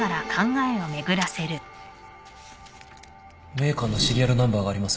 メーカーのシリアルナンバーがありません